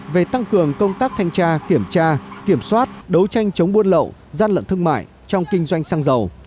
về tăng cường công tác thanh tra kiểm tra kiểm soát đấu tranh chống buôn lậu gian lận thương mại trong kinh doanh xăng dầu